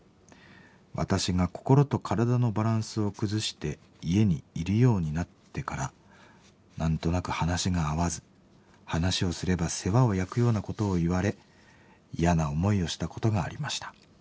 私が心と体のバランスを崩して家にいるようになってから何となく話が合わず話をすれば世話を焼くようなことを言われ嫌な思いをしたことがありました。